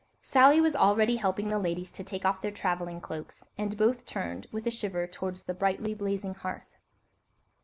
Sally was already helping the ladies to take off their travelling cloaks, and both turned, with a shiver, towards the brightly blazing hearth.